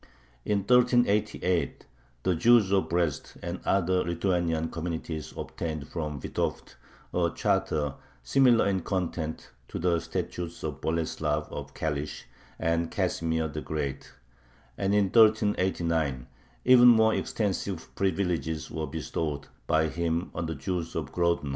In 1388 the Jews of Brest and other Lithuanian communities obtained from Vitovt a charter similar in content to the statutes of Boleslav of Kalish and Casimir the Great, and in 1389 even more extensive privileges were bestowed by him on the Jews of Grodno.